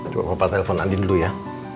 coba papa telfon andi dulu ya